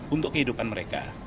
untuk kehidupan mereka